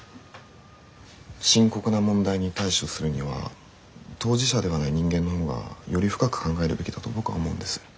深刻な問題に対処するには当事者ではない人間の方がより深く考えるべきだと僕は思うんです。